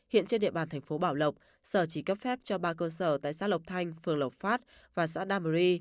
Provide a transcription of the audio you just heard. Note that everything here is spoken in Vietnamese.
hiện trên địa bàn thành phố bảo lộc sở chỉ cấp phép cho ba cơ sở tại xã lộc thanh phường lộc phát và xã đam ri